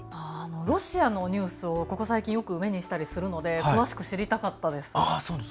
ロシアのニュースをここ最近目にしたりするので詳しく知りたかったです。